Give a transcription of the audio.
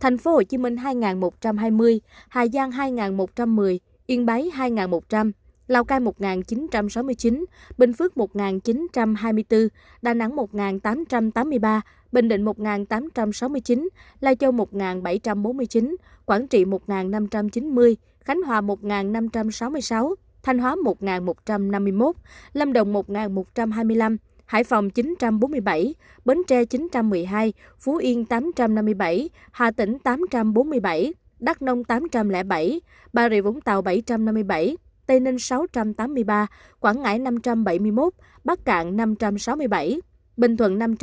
hà nội ba mươi hai ba trăm một mươi bảy ca nghệ an một mươi năm trăm ba mươi bốn đà nẵng một tám trăm tám mươi ba bình định một tám trăm sáu mươi chín lai châu một bảy trăm bốn mươi chín quảng trị một năm trăm chín mươi khánh hòa một năm trăm sáu mươi sáu thanh hóa một một trăm năm mươi một lâm đồng một một trăm hai mươi năm hải phòng chín bốn mươi bảy bến tre chín một mươi hai phú yên tám năm mươi bảy hà tĩnh tám bốn mươi bảy đắk nông tám bảy bà rịa vũng tàu bảy năm mươi bảy tây ninh sáu tám mươi ba quảng ngãi năm bảy mươi một bắc cạn năm bảy bảy hà tỉnh tám bốn mươi bảy đắk nông tám bảy bà rịa vũng tàu bảy năm mươi bảy tây ninh sáu tám mươi ba quảng ngãi năm bảy mươi một bắc